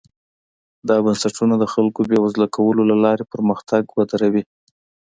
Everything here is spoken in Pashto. دا بنسټونه د خلکو بېوزله کولو له لارې پرمختګ ودروي.